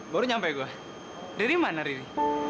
baru nyampe gue dari mana riri